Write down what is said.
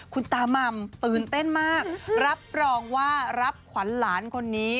คุณตาม่ำตื่นเต้นมากรับรองว่ารับขวัญหลานคนนี้